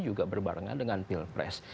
juga berbarengan dengan pilpres